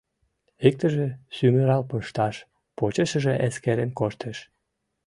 Иктыже сӱмырал пышташ почешыже эскерен коштеш.